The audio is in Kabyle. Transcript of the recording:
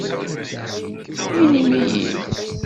Inim-iyi-d.